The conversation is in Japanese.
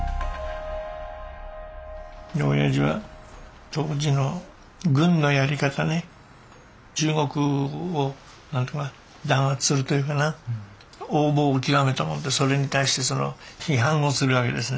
親父は当時の軍のやり方ね中国を弾圧するというかな横暴を極めたもんでそれに対して批判をするわけですね